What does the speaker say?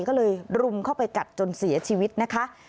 ก็เลยรุมเข้าไปกัดจนเสียชีวิตนะคะ